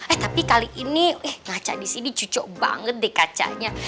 eh tapi kali ini eh ngaca di sini cocok banget deh kacanya